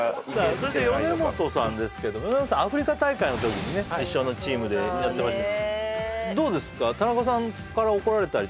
それで米元さんですけどアフリカ大会の時にね一緒のチームでやってました